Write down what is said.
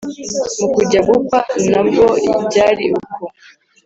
mu kujya gukwa na bwo byari uko